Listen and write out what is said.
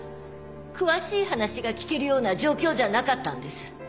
詳しい話が聞けるような状況じゃなかったんです。